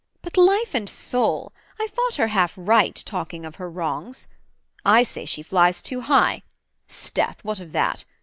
but, life and soul! I thought her half right talking of her wrongs; I say she flies too high, 'sdeath! what of that?